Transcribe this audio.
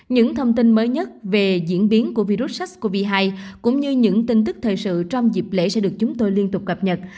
những thông tin mới nhất về diễn biến của virus sars cov hai cũng như những tin tức thời sự trong dịp lễ sẽ được chúng tôi liên tục cập nhật